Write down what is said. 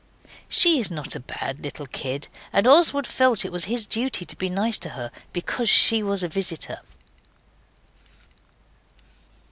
She is not a bad little kid; and Oswald felt it was his duty to be nice to her because she was a visitor.